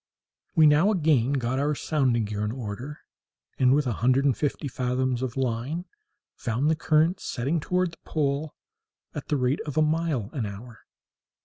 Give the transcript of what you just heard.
We now again got our sounding gear in order, and, with a hundred and fifty fathoms of line, found the current setting toward the pole at the rate of a mile an hour.